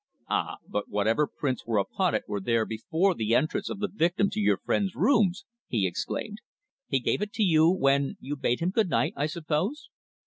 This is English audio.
"Ah! but whatever prints were upon it were there before the entrance of the victim to your friend's rooms," he exclaimed. "He gave it to you when you bade him good night, I suppose?"